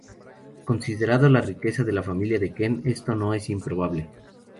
Considerando la riqueza de la familia de Ken, esto no es improbable.